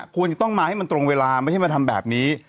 ควรจะต้องมาให้มันตรงเวลาไม่ใช่มาทำแบบนี้